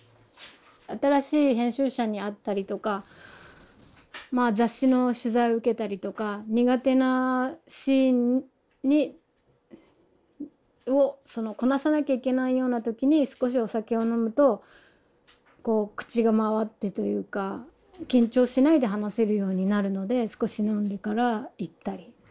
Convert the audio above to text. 新しい編集者に会ったりとかまあ雑誌の取材を受けたりとか苦手なシーンをこなさなきゃいけないような時に少しお酒を飲むと口が回ってというか緊張しないで話せるようになるので少し飲んでから行ったり。